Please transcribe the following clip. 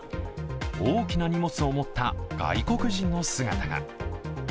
大きな荷物を持った外国人の姿が。